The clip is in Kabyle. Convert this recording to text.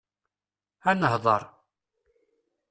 Ad nehḍeṛ.